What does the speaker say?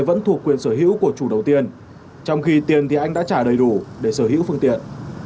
vẫn thuộc quyền sở hữu của chủ đầu tiên trong khi tiền thì anh đã trả đầy đủ để sở hữu phương tiện